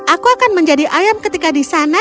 aku akan menjadi ayam ketika di sana